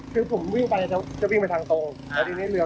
แล้วทีนี้นรับเขาวิ่งมาแล้วเขาจะเลี้ยว